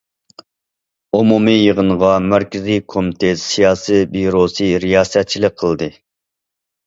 ئومۇمىي يىغىنغا مەركىزىي كومىتېت سىياسىي بىيۇروسى رىياسەتچىلىك قىلدى.